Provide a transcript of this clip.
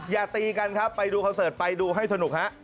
อย่าตีกันครับไปดูคอนเสิร์ตไปดูให้สนุกฮะ